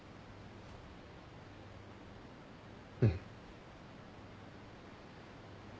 うん。